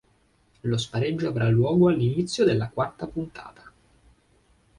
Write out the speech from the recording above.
Lo spareggio avrà luogo all'inizio della Quarta puntata.